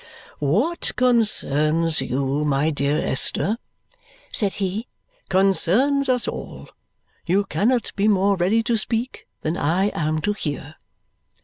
"What concerns you, my dear Esther," said he, "concerns us all. You cannot be more ready to speak than I am to hear."